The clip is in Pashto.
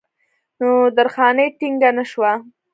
نو درخانۍ ټينګه نۀ شوه